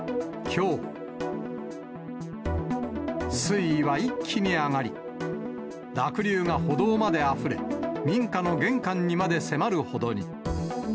きょう、水位は一気に上がり、濁流が歩道まであふれ、民家の玄関にまで迫るほどに。